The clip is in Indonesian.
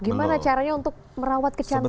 gimana caranya untuk merawat kecanduan